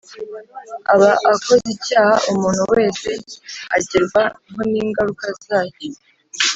Aba akoze icyaha umuntu wese agerwa ho ningaruka zacyo